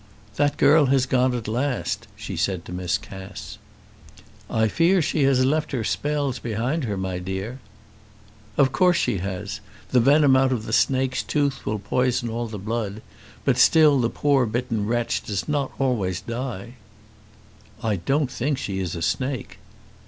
"That girl has gone at last," she said to Miss Cass. "I fear she has left her spells behind her, my dear." "Of course she has. The venom out of the snake's tooth will poison all the blood; but still the poor bitten wretch does not always die." "I don't think she is a snake."